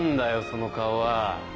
その顔は。